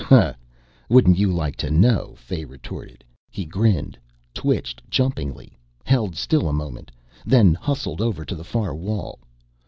"Ha, wouldn't you like to know?" Fay retorted. He grinned, twitched jumpingly, held still a moment, then hustled over to the far wall.